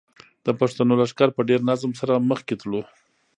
د پښتنو لښکر په ډېر نظم سره مخکې تلو.